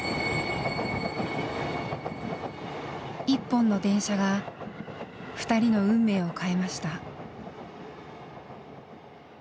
一本の電車が二人の運命を変えました。